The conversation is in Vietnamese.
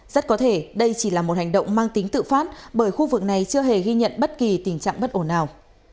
rất có thể đây chỉ là một hành động mang tính tự phát bởi khu vực này chưa hề ghi nhận bất kỳ tình trạng bất ổn nào